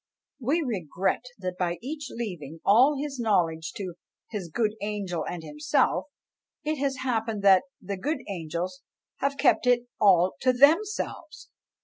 We regret that by each leaving all his knowledge to "his good angel and himself," it has happened that "the good angels" have kept it all to themselves!